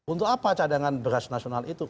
untuk apa cadangan beras nasional itu